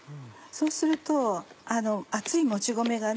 そうすると熱いもち米がね